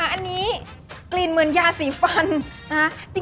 อันนี้กลิ่นเหมือนยาสีฟัน